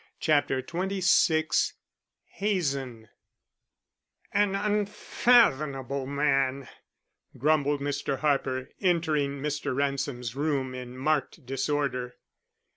CHAPTER XXVI HAZEN "An unfathomable man," grumbled Mr. Harper, entering Mr. Ransom's room in marked disorder.